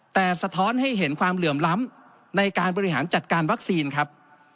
แต่สะท้อนให้เห็นความเหลื่อมล้ำในการบริหารจัดการวัคซีนครับ